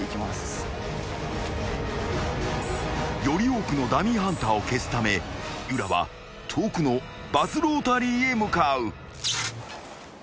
［より多くのダミーハンターを消すため三浦は遠くのバスロータリーへ向かう］